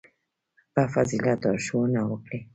• په فضیلت لارښوونه وکړئ.